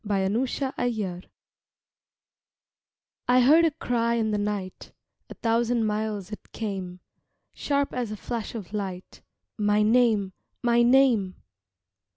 TO ONE AWAY I HEARD a cry in the night, A thousand miles it came, Sharp as a flash of light, My name, my name!